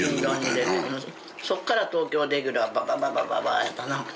そっから東京レギュラーバンバンバンやったな。